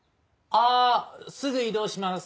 あすぐ移動します。